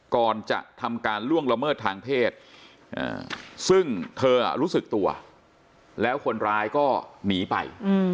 ก่อนจะทำการล่วงละเมิดทางเพศซึ่งเธอรู้สึกตัวแล้วคนร้ายก็หนีไป